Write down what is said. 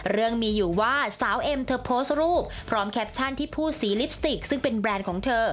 เรื่องมีอยู่ว่าสาวเอ็มเธอโพสต์รูปพร้อมแคปชั่นที่ผู้สีลิปสติกซึ่งเป็นแบรนด์ของเธอ